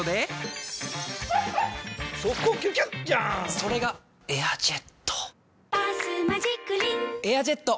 それが「エアジェット」「バスマジックリン」「エアジェット」！